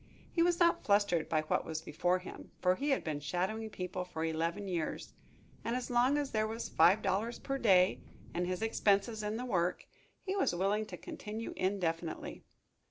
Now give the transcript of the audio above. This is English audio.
He was not flustered by what was before him, for he had been shadowing people for eleven years, and as long as there was five dollars per day and his expenses in the work, he was willing to continue indefinitely.